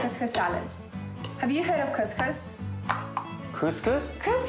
クスクス？